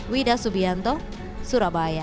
wida subianto surabaya